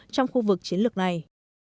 trong khu vực chiến lược này